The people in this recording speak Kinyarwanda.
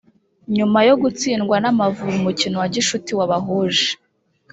nyuma yo gutsindwa n’Amavumbi mu mukino wa gicuti wabahuje